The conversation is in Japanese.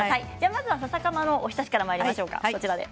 まずは、ささかまのおひたしからまいりましょうか。